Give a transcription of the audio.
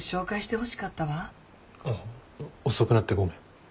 遅くなってごめん。